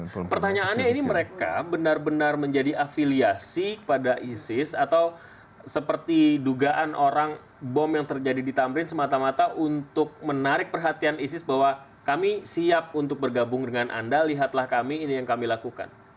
nah pertanyaannya ini mereka benar benar menjadi afiliasi kepada isis atau seperti dugaan orang bom yang terjadi di tamrin semata mata untuk menarik perhatian isis bahwa kami siap untuk bergabung dengan anda lihatlah kami ini yang kami lakukan